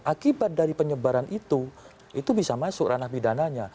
akibat dari penyebaran itu itu bisa masuk ranah pidananya